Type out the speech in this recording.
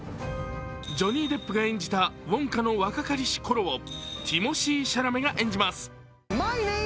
ジョニー・デップが演じたウォンカの若かりし頃をティモシー・シャラメが演じます。